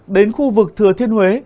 đến khu vực thừa thiên huế